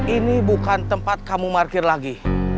ini bukan tempat kamu parkir lagi